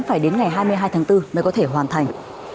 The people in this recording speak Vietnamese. phải đến ngày hai mươi hai tháng bốn mới có thể hoàn thành